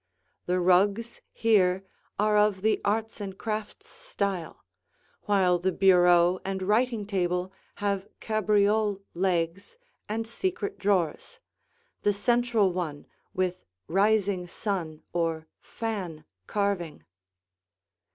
The rugs here are of the Arts and Crafts style, while the bureau and writing table have cabriole legs and secret drawers, the central one with rising sun or fan carving.